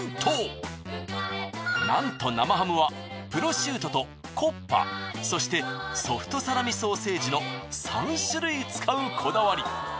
なんと生ハムはプロシュートとコッパそしてソフトサラミソーセージの３種類使うこだわり！